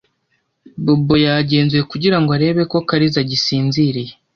Bobo yagenzuye kugira ngo arebe ko Kariza agisinziriye.